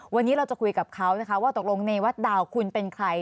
วันนี้เราจะคุยกับเขานะคะว่าตกลงเนวัดดาวคุณเป็นใคร